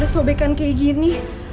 sampai ada sobekan kayak gini